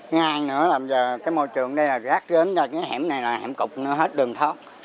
thứ hai nữa là bây giờ cái môi trường ở đây là rác rến ra cái hẻm này là hẻm cục nữa hết đường thoát